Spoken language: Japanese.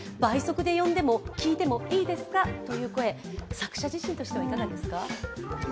作者自身としてはいかがですか？